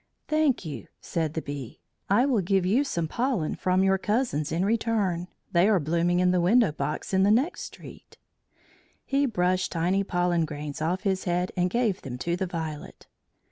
"Thank you," said the Bee. "I will give you some pollen from your cousins in return. They are blooming in a window box in the next street." He brushed tiny pollen grains off his head and gave them to the Violet.